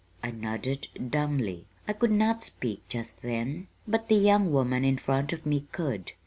I nodded dumbly. I could not speak just then but the young woman in front of me could.